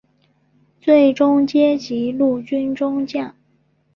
最终阶级陆军中将。